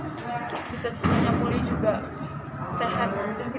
bisa semangat pulih juga sehat